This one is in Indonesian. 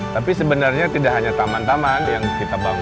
tapi sebenarnya tidak hanya taman taman yang kita bangun